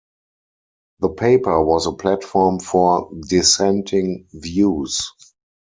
The paper was a platform for dissenting views.